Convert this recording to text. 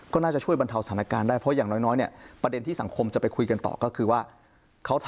ก็น่าจะช่วยบรรเทาสถานการณ์ได้เพราะอย่างน้อยเนี่ยประเด็นที่สังคมจะไปคุยกันต่อก็คือว่า